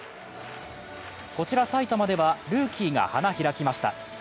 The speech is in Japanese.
こちら埼玉では、ルーキーが花開きました。